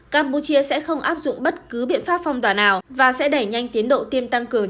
campuchia sẽ không áp dụng bất cứ biện pháp phong tỏa nào và sẽ đẩy nhanh tiến độ tiêm tăng cường